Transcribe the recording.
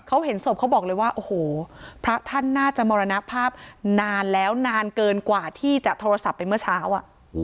เขาเห็นศพเขาบอกเลยว่าโอ้โหพระท่านน่าจะมรณภาพนานแล้วนานเกินกว่าที่จะโทรศัพท์ไปเมื่อเช้า